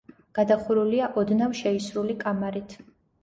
გადახურულია ოდნავ შეისრული კამარით.